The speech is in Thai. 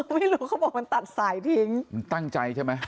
ไม่รู้เขาบอกมันตัดสายทิ้งมันตั้งใจใช่ไหม